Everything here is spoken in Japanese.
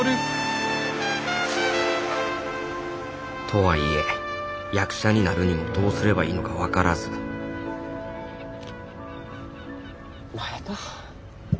とはいえ役者になるにもどうすればいいのか分からずまあええか。